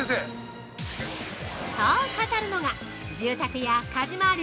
◆そう語るのが住宅や家事周り